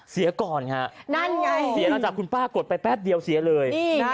เสียก่อนค่ะเสียหลังจากคุณป้ากดไปแป๊บเดียวเสียเลย